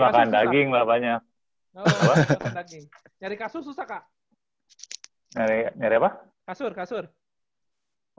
pak berarti nyari kasur susah